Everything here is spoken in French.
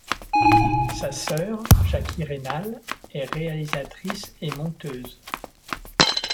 Sa sœur Jackie Raynal est réalisatrice et monteuse.